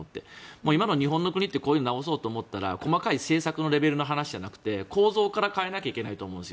今の日本の国ってこういうの直そうと思ったら細かい政策のレベルの話じゃなくて構造から変えなきゃいけないと思うんです。